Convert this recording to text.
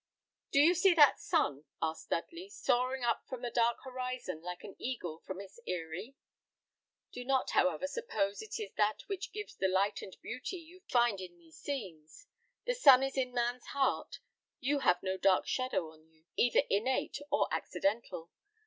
"Do you see that sun," asked Dudley, "soaring up from the dark horizon, like an eagle from its eyry? Do not, however, suppose it is that which gives the light and beauty you find in these scenes. The sun is in man's heart. You have no dark shadow on you, either innate or accidental.